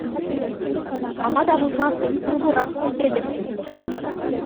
Кама та пулсан усси пурах пуль тетӗп.